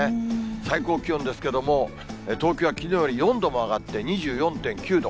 最高気温ですけども、東京はきのうより４度も上がって、２４．９度。